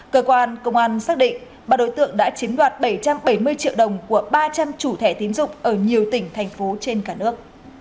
cơ quan công an xác định bà đối tượng đã chiếm đoạt bảy trăm bảy mươi triệu đồng của ba trăm linh chủ thẻ tín dụng ở nhiều tỉnh thành phố trên cả nước